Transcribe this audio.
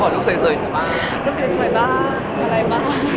ลูกสิ่งสวยบ้างอะไรบ้าง